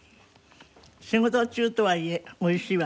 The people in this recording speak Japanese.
仕事中とはいえ美味しいわね。